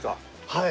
はい。